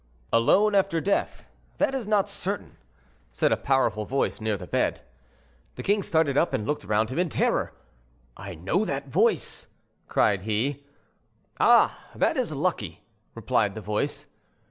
"'Alone after death'; that is not certain," said a powerful voice near the bed. The king started up and looked round him in terror. "I know that voice," cried he. "Ah! that is lucky," replied the voice.